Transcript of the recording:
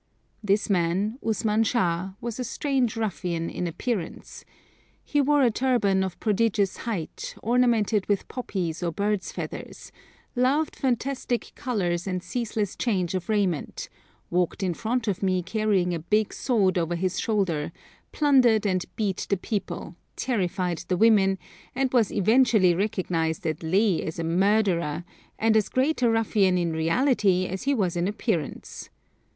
This man, Usman Shah, was a stage ruffian in appearance. He wore a turban of prodigious height ornamented with poppies or birds' feathers, loved fantastic colours and ceaseless change of raiment, walked in front of me carrying a big sword over his shoulder, plundered and beat the people, terrified the women, and was eventually recognised at Leh as a murderer, and as great a ruffian in reality as he was in appearance.